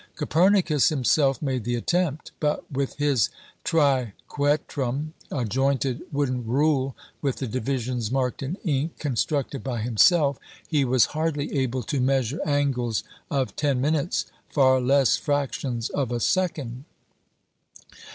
Copernicus himself made the attempt; but with his "Triquetrum," a jointed wooden rule with the divisions marked in ink, constructed by himself, he was hardly able to measure angles of ten minutes, far less fractions of a second.